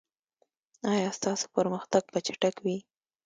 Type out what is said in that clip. ایا ستاسو پرمختګ به چټک وي؟